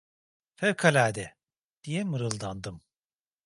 "Fevkalade!" diye mırıldandım.